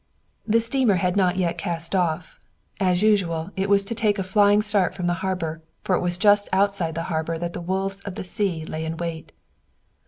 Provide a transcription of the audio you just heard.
The steamer had not yet cast off. As usual, it was to take a flying start from the harbor, for it was just outside the harbor that the wolves of the sea lay in wait.